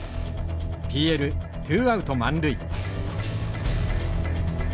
ＰＬツーアウト満塁。